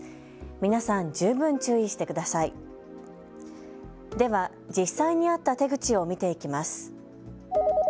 皆さん、十分注意してくださいでは、実際にあった手口を見ていきます。